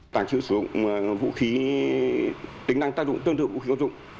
tàng trữ sử dụng vũ khí tính năng tác dụng tương tự vũ khí quân dụng